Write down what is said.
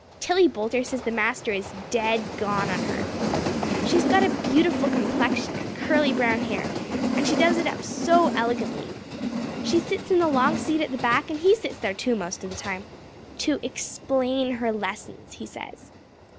Tillie Boulter says the master is dead gone on her. She's got a beautiful complexion and curly brown hair and she does it up so elegantly. She sits in the long seat at the back and he sits there, too, most of the time to explain her lessons, he says.